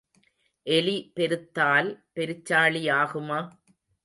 எலி பெருத்தால் பெருச்சாளி ஆகுமா?